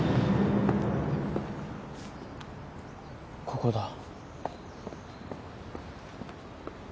ここだ。